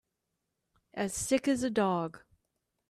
As sick as a dog.